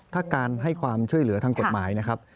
ถ้าการให้ความช่วยเหลือทางกฎหมายนะครับ